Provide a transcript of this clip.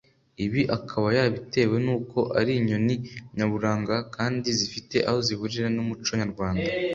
Ibi akaba yarabitewe n’uko ari inyoni nyaburanga kandi zifite aho zihurira n’umuco nyarwanda